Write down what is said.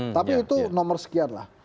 tapi itu nomor sekian lah